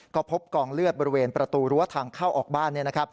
ก็พบกองเลือดบริเวณประตูรั้วทางเข้าออกบ้าน